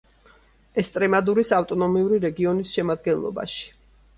ესტრემადურის ავტონომიური რეგიონის შემადგენლობაში.